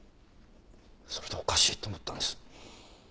それでおかしいと思ったんです。